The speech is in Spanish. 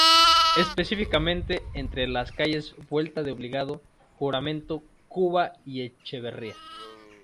Específicamente entre las calles Vuelta de Obligado, Juramento, Cuba y Echeverría.